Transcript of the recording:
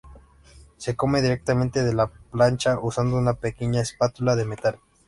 Se come directamente de la plancha usando una pequeña espátula de metal.